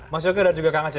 mas yoko dan juga kang aceh